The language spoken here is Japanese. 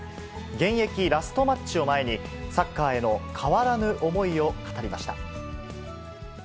現役ラストマッチを前に、サッカーへの変わらぬ思いを語りました。